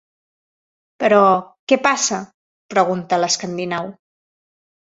Però, què passa? —pregunta l'escandinau.